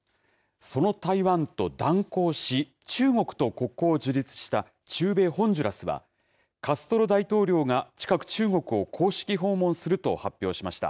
その台湾と断交し中国と国交を樹立した中米、ホンジュラスはカストロ大統領が近く中国を公式訪問すると発表しました。